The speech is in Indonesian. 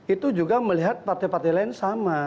itu juga melihat partai partai lain sama